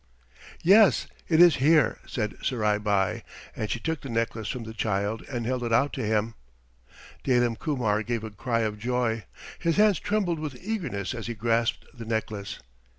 "Yes, it is here," said Surai Bai, and she took the necklace from the child and held it out to him. Dalim Kumar gave a cry of joy. His hands trembled with eagerness as he grasped the necklace.